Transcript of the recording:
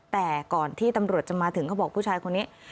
แต่ก่อนที่ตำรวจจะมาถึงเขาบอกผู้ชายคนนี้